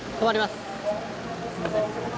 すみません。